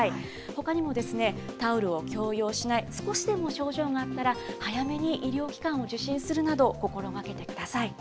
ほかにもですね、タオルを共用しない、少しでも症状があったら、早めに医療機関を受診するなど、心がけてください。